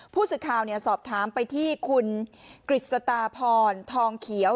ผู้สื่อข่าวสอบถามไปที่คุณกฤษตาพรทองเขียว